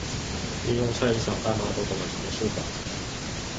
運用菜市場大媽都懂的常識法則